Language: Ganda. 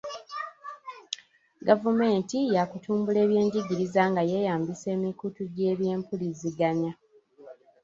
Gavumenti ya kutumbula ebyenjigiriza nga yeeyambisa emikutu gy'ebyempuliziganya.